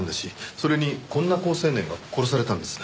それにこんな好青年が殺されたんです。